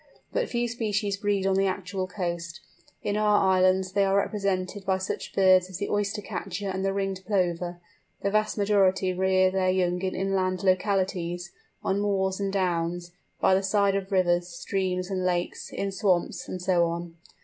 But few species breed on the actual coast—in our islands they are represented by such birds as the Oyster catcher and the Ringed Plover; the vast majority rear their young in inland localities, on moors and downs, by the side of rivers, streams, and lakes, in swamps, and so on.